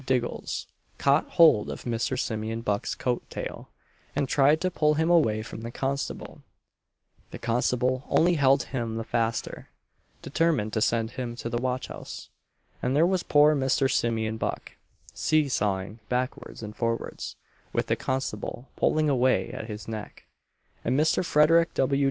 Diggles caught hold of Mr. Simeon Buck's coat tail, and tried to pull him away from the constable; the constable only held him the faster, determined to send him to the watch house; and there was poor Mr. Simeon Buck, see sawing backwards and forwards, with the constable pulling away at his neck, and Mr. Frederic W.